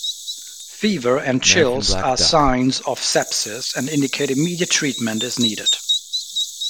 Fever and chills are signs of sepsis and indicate immediate treatment is needed.